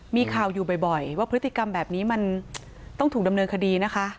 มีข่าวอยู่บ่อยว่าพฤติกรรมแบบนี้มันต้องถูกดำเนินคดีนะคะ